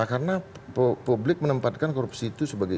karena publik menempatkan korupsi itu sebagai